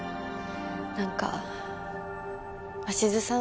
何か鷲津さん